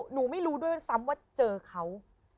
หนูไม่รู้ด้วยซ้ำว่าเจอเขา